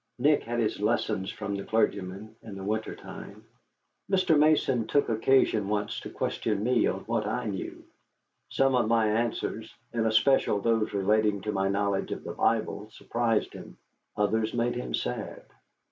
Nick had his lessons from the clergyman in the winter time. Mr. Mason took occasion once to question me on what I knew. Some of my answers, in especial those relating to my knowledge of the Bible, surprised him. Others made him sad.